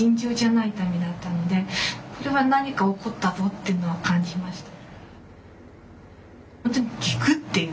っていうのは感じました。